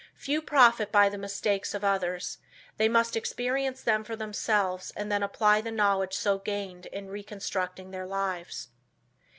Few profit by the mistakes of others. They must experience them for themselves and then apply the knowledge so gained in reconstructing their lives.